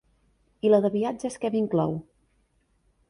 I la de viatges què m'inclou?